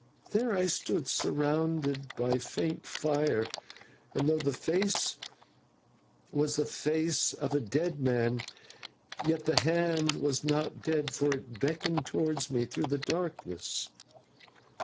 There I stood surrounded by faint fire; and though the face was the face of a dead man, yet the hand was not dead, for it beckoned towards me through the darkness.